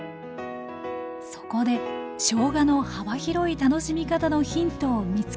そこでしょうがの幅広い楽しみ方のヒントを見つけたそうです